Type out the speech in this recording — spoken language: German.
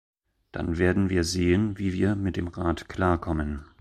Dann werden wir sehen, wie wir mit dem Rat klarkommen.